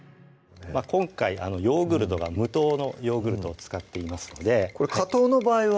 今回ヨーグルトが無糖のヨーグルトを使っていますのでこれ加糖の場合は？